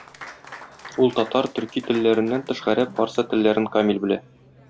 Ул, татар, төрки телләреннән тыш, гарәп, фарсы телләрен камил белә.